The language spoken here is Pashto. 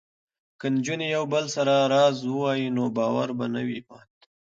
که نجونې یو بل سره راز ووايي نو باور به نه وي مات.